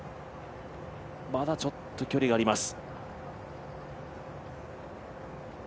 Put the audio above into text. まだちょっと距離があります。